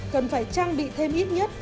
cần phải trang bị thêm ít nhất